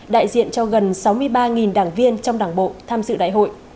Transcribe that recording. đại diện cho gần sáu mươi ba đảng viên trong đảng bộ tham dự đại hội